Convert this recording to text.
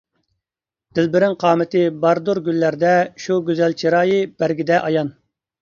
-دىلبىرىڭ قامىتى باردۇر گۈللەردە، شۇ گۈزەل چىرايى بەرگىدە ئايان.